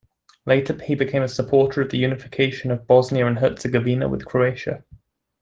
Later he became a supporter of the unification of Bosnia and Herzegovina with Croatia.